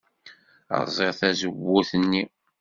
Rẓiɣ tazewwut-nni.